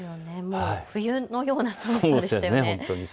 冬のような寒さでしたよね。